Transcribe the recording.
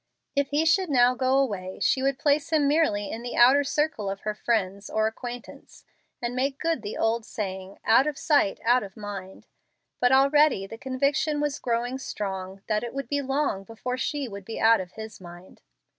If he should now go away, she would place him merely in the outer circle of her friends or acquaintance, and make good the old saying, "Out of sight, out of mind." But already the conviction was growing strong that it would be long before she would be out of his mind.